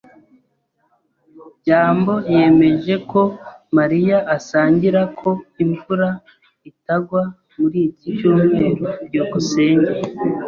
byambo yemeje ko Mariya asangira ko imvura itagwa muri iki cyumweru. byukusenge